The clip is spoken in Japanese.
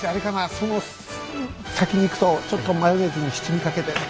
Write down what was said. その先にいくとちょっとマヨネーズに七味かけて。